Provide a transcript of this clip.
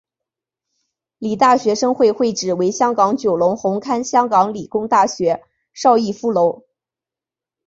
理大学生会会址为香港九龙红磡香港理工大学邵逸夫楼。